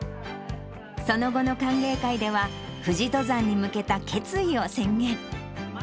その後の歓迎会では、富士登山に向けた決意を宣言。